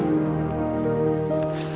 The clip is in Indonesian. kita udah enak banget sih